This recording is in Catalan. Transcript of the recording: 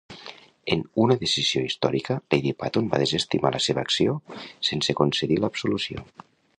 En una decisió històrica, Lady Paton va desestimar la seva acció sense concedir l'absolució.